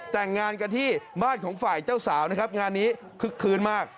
แต่งงานกันที่บ้านของฝ่ายเจ้าสาวนะครับงานนี้คึกคืนมาก